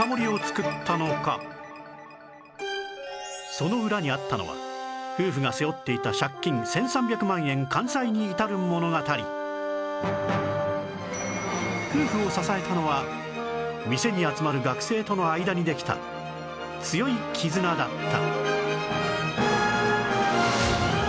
その裏にあったのは夫婦が背負っていた夫婦を支えたのは店に集まる学生との間にできた強い絆だった